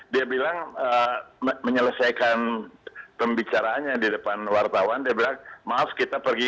dia bilang menyelesaikan pembicaraannya di depan wartawan dia bilang maaf kita pergi